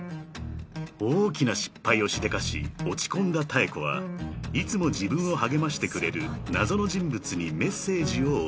［大きな失敗をしでかし落ち込んだ妙子はいつも自分を励ましてくれる謎の人物にメッセージを送る］